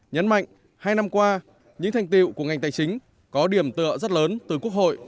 nhấn mạnh hai năm qua những thành tiệu của ngành tài chính có điểm tựa rất lớn từ quốc hội